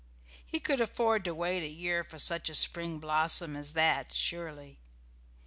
He could afford to wait a year for such a spring blossom as that, surely.